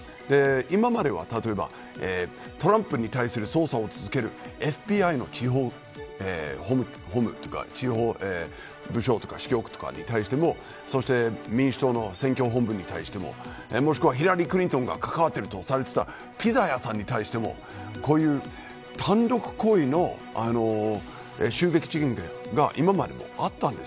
今までは、例えばトランプに対する捜査を続けるＦＢＩの部署や支局に対しても民主党の選挙本部に対してももしくはヒラリー・クリントンが関わっているとされていたピザ屋さんに対してもこういう単独での襲撃的なことが今までもありました。